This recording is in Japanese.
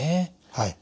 はい。